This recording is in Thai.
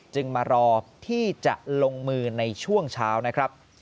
มารอที่จะลงมือในช่วงเช้านะครับ